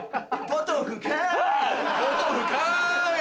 ポトフかい！